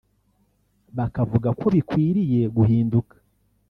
bakavuga ko bikwiye guhinduka